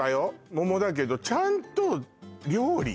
桃だけどちゃんと料理よ